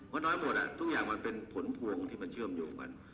มันน้อยหมดทุกอย่างมันเป็นผลพวงที่มันเชื่อมโยงกัน